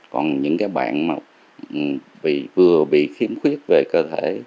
còn những cái bạn mà bị vừa bị khiếm khuyết về cơ thể